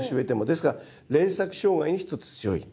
ですから連作障害に一つ強い。